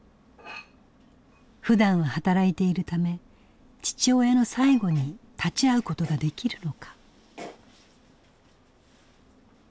ふだんは働いているため父親の最期に立ち会うことができるのか。